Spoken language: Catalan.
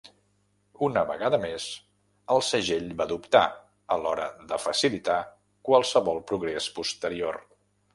Una vegada més, el segell va dubtar a l'hora de facilitar qualsevol progrés posterior.